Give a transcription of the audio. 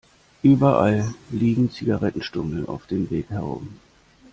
Überall liegen Zigarettenstummel auf dem Weg herum.